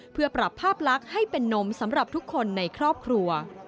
เป็นนมสำหรับทุกคนในครอบครัว